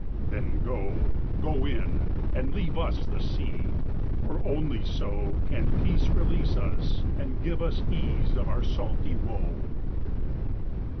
Then go, go in! and leave us the sea, For only so Can peace release us and give us ease Of our salty woe.